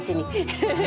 フフフ。